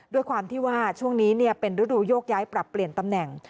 ด้วยความที่ว่าช่วงนี้เป็นฤดูโยกย้ายปรับเปลี่ยนตำแหน่ง